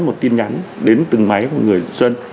một tin nhắn đến từng máy của người dân